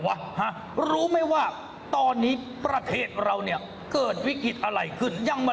ฮะรู้ไหมว่าตอนนี้ประเทศเราเนี่ยเกิดวิกฤตอะไรขึ้นยังมา